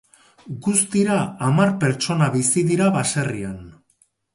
Guztira, hamar pertsona bizi dira baserrian.